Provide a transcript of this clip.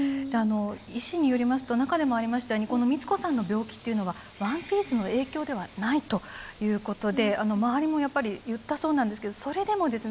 医師によりますと中でもありましたようにこの光子さんの病気というのはワンピースの影響ではないということで周りもやっぱり言ったそうなんですけどそれでもですね